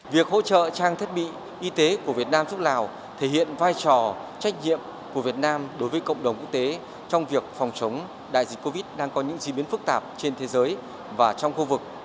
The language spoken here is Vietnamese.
việc hỗ trợ trang thiết bị y tế của việt nam giúp lào thể hiện vai trò trách nhiệm của việt nam đối với cộng đồng quốc tế trong việc phòng chống đại dịch covid đang có những di biến phức tạp trên thế giới và trong khu vực